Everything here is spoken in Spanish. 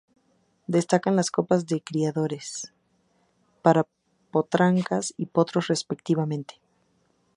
Destacan las Copas de Criadores para potrancas y potros respectivamente.